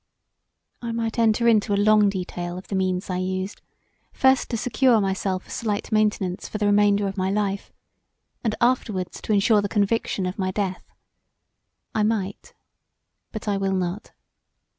I might enter into a long detail of the means I used, first to secure myself a slight maintenance for the remainder of my life, and afterwards to ensure the conviction of my death: I might, but I will not.